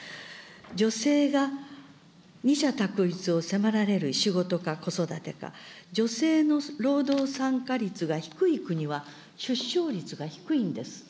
女性が二者択一を迫られる、仕事か子育てか、女性の労働参加率が低い国は、出生率が低いんです。